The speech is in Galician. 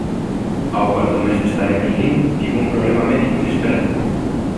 Ao cuarto mes de estar en Berlín tivo un problema médico inesperado.